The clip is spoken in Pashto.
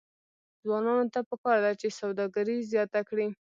ځوانانو ته پکار ده چې، سوداګري زیاته کړي.